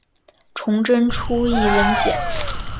崇祯初谥文简。